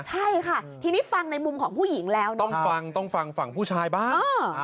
ใช่ค่ะทีนี้ฟังในมุมของผู้หญิงแล้วนะต้องฟังต้องฟังฝั่งผู้ชายบ้าง